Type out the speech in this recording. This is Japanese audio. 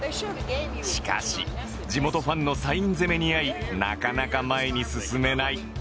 しかし地元ファンのサイン攻めにあいなかなか前に進めない